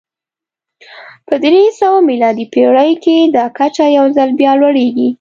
په درې سوه میلادي پېړۍ کې دا کچه یو ځل بیا لوړېږي